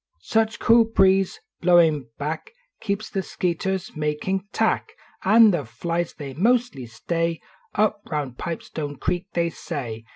Such cool breeze blowin back Keeps the skeeters uiakin tack N the flies they mostly stay Tp round Pipestoue creek, they say.